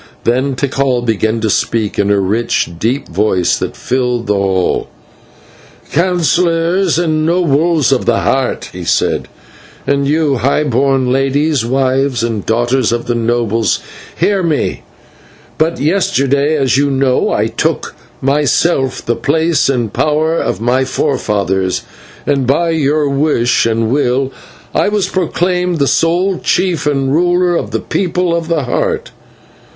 Then Tikal began to speak in a rich, deep voice that filled the hall: "Councillors and Nobles of the Heart," he said, "and you, high born ladies, wives and daughters of the nobles, hear me. But yesterday, as you know, I took upon myself the place and power of my forefathers, and by your wish and will I was proclaimed the sole chief and ruler of the People of the Heart.